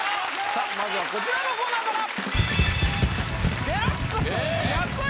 さあまずはこちらのコーナーから。